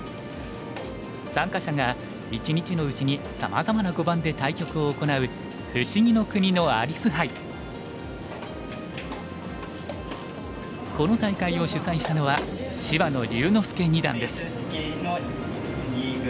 参加者が一日のうちにさまざまな碁盤で対局を行うこの大会を主催したのは芝野龍之介二段です。